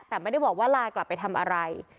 แต่ไม่ได้บอกว่าลากลับไปทำอะไร